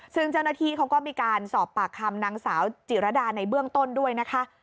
ซึ่งเจ้าหน้าที่เขาก็มีการสอบปากคำนางสาวจิรดาในเบื้องต้นด้วยนะคะ